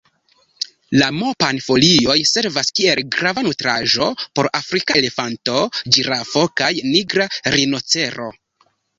La mopan-folioj servas kiel grava nutraĵo por afrika elefanto, ĝirafo kaj nigra rinocero.